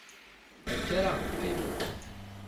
Akka ara ɣ-deqqimen.